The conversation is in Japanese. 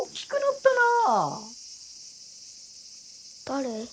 誰？